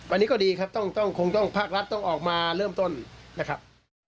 อันนี้ก็ดีครับต้องคงต้องภาครัฐต้องออกมาเริ่มต้นนะครับ